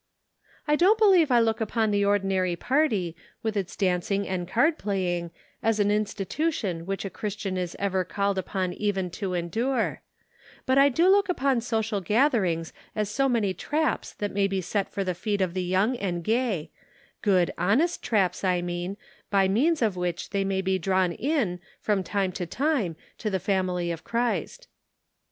"I don't believe I look upon the ordinary party, with its dancing and card playing, as an institution which a Christian is ever called upon even to endure ; but I do look upon social gatherings as so many traps that may be set for the feet of the young and gay ; good, honest traps, I mean, by means of which they may be drawn in, from time to time, to the family of Christ."